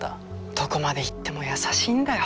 どこまでいっても優しいんだよ